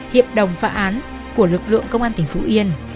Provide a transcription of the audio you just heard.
hiệp đồng phạm án của lực lượng công an tỉnh phú yên